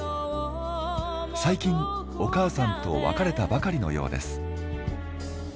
最近お母さんと別れたばかりのようです。